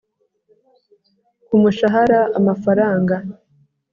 Ku mushahara amafaranga